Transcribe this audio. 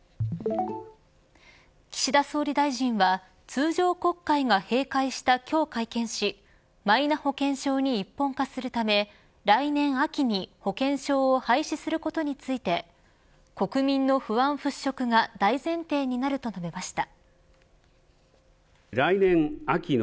岸田総理大臣は通常国会が閉会した今日会見しマイナ保険証に一本化するため来年秋に保険証を廃止することについて国民の不安、払拭が大前提になると述べました。